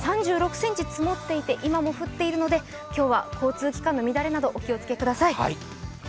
今３６ｃｍ積もっていて、今も降っているので、今日は交通機関の乱れなどお気をつけください。